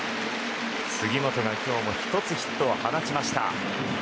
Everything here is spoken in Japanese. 杉本が今日も１つ、ヒットを放ちました。